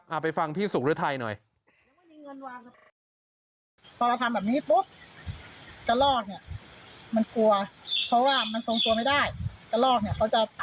ไปฟังพี่สุฤทัยหน่อย